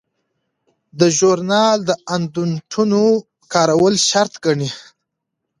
دا ژورنال د اندنوټونو کارول شرط ګڼي.